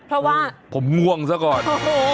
เพราะว่าผมง่วงซะก่อน